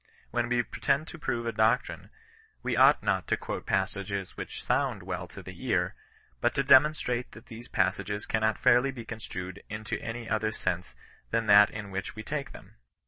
When we pretend to prove a doctrine, we ought not only to ., quote passages which sound well to the ear, but to de monstrate that those passages cannot fairly be construed into any other sense than that in which we take them.